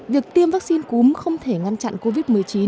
việc tiêm vắc xin cúm không thể ngăn chặn covid một mươi chín